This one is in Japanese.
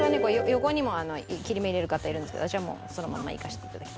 横にも切り目入れる方いるんですけど私はもうそのままいかせて頂きます。